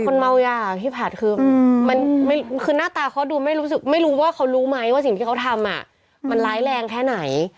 คนเมาอยากพี่ผัดคือหน้าตาเขาดูไม่รู้ว่าเขารู้ไหมว่าสิ่งที่เขาทำมันร้ายแรงแค่ไหน